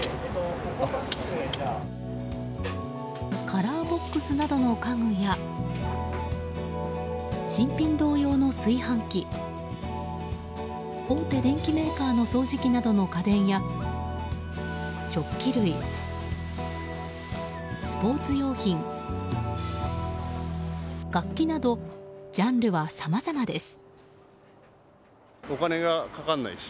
カラーボックスなどの家具や新品同様の炊飯器大手電機メーカーの掃除機などの家電や食器類、スポーツ用品楽器などジャンルはさまざまです。